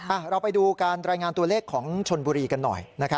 เราไปดูการรายงานตัวเลขของชนบุรีกันหน่อย